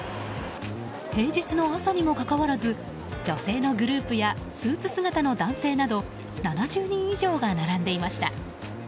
平日の朝にもかかわらず女性のグループやスーツ姿の男性など７０人以上が並んでいました。